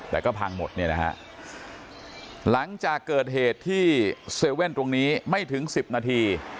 แต่ก็พังหมดเนี่ยนะฮะหลังจากเกิดเหตุที่๗๑๑ตรงนี้ไม่ถึงสิบนาที